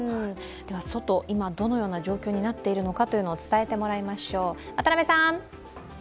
外、今どのような状況になっているのかを伝えてもらいましょう。